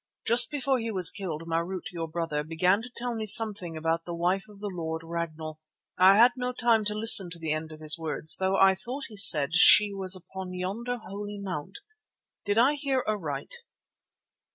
Just before he was killed Marût, your brother, began to tell me something about the wife of the Lord Ragnall. I had no time to listen to the end of his words, though I thought he said that she was upon yonder Holy Mount. Did I hear aright?"